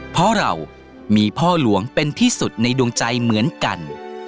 เพราะเรามีพ่อหลวงเป็นที่สุดในดวงใจเหมือนกัน